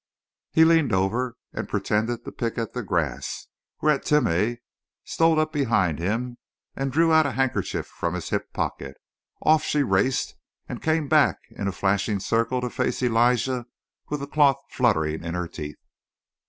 He leaned over and pretended to pick at the grass, whereat Timeh stole up behind him and drew out a handkerchief from his hip pocket. Off she raced and came back in a flashing circle to face Elijah with the cloth fluttering in her teeth.